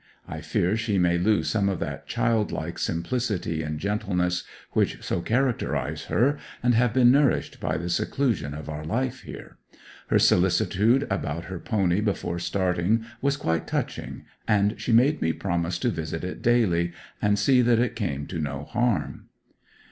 I fear she may lose some of that childlike simplicity and gentleness which so characterize her, and have been nourished by the seclusion of our life here. Her solicitude about her pony before starting was quite touching, and she made me promise to visit it daily, and see that it came to no harm.